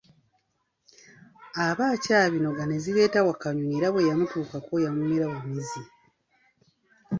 Aba akyabinoga ne zireeta Wakanyonyi era bwe yamutuukako yamumira bumizi.